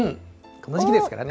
この時期ですからね。